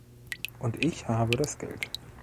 Und ich habe das Geld.